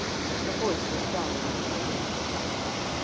Her voice was dull and toneless.